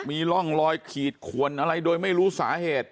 มีร่องรอยขีดขวนอะไรโดยไม่รู้สาเหตุ